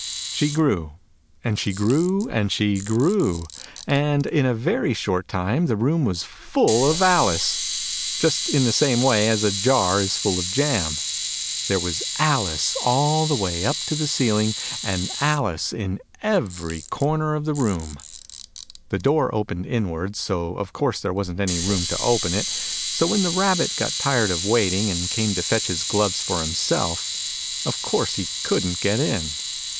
She grew, and she grew, and she grew. And in a very short time the room was full of Alice : just in the same wav as a jar is full of jam ! There was Alice all the way up to the ceiling : and Alice in every corner of the room ! LIZARD. 19 Digitized by Google 20 THE NURSERY " ALICE." The door opened inwards : so of course there wasn't any room to open it : so when the Rabbit got tired of waiting, and came to fetch his gloves for himself, of course he couldn't get in.